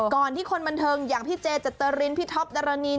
ก่อนที่คนบันเทิงอย่างพี่เจเจตรินพี่ท็อปดารณี